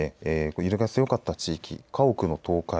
揺れが強かった地域、家屋の倒壊